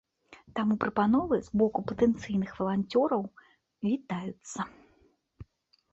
Таму прапановы з боку патэнцыйных валанцёраў вітаюцца.